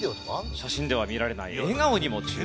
写真では見られない笑顔にも注目です。